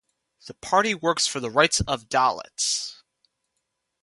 The party works for the rights of Dalits.